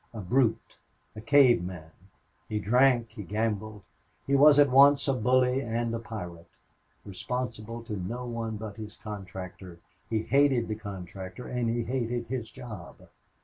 A brute a caveman. He drank; he gambled. He was at once a bully and a pirate. Responsible to no one but his contractor, he hated the contractor and he hated his job.